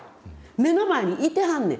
目の前にいてはんねん。